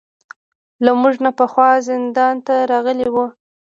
له موږ نه پخوا زندان ته راغلي وو.